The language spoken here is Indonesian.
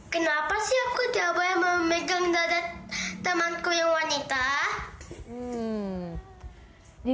kenapa sih aku tidak boleh memegang dada temanku yang wanita